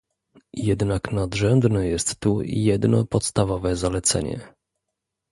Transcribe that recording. Jednak nadrzędne jest tu jedno podstawowe zalecenie